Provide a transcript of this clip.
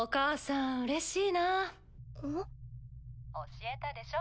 教えたでしょ